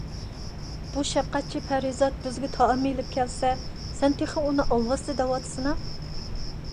بۇ شەپقەتچى پەرىزات بىزگە تائام ئېلىپ كەلسە، سەن تېخى ئۇنى ئالۋاستى دەۋاتىسىنا؟